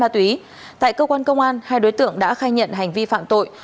tại cơ quan công an hai đối tượng đã khai nhận hành vi phạm tội